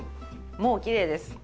もうきれいです。